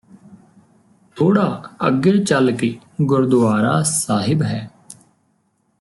ਥੋੜ੍ਹਾ ਅੱਗੇ ਚੱਲ ਕੇ ਗੁਰਦੁਆਰਾ ਸਾਹਿਬ ਹੈ